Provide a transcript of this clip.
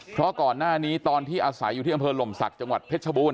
เพราะก่อนหน้านี้ตอนที่อาศัยอยู่ที่อำเภอหล่มศักดิ์จังหวัดเพชรบูรณ